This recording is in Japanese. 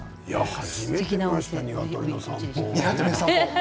初めて見ましたにわとりの散歩。